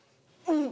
うん。